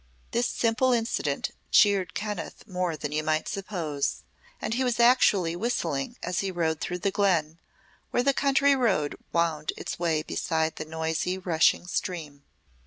This simple incident cheered Kenneth more than you might suppose, and he was actually whistling as he rode through the glen, where the country road wound its way beside the noisy, rushing stream.